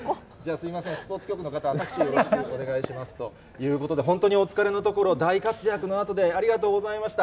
すみません、スポーツクラブの方、タクシーよろしくお願いしますということで、本当にお疲れのところ、大活躍のあとでありがとうございました。